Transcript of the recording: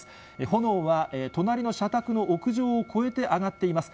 炎は、隣の社宅の屋上を超えて上がっています。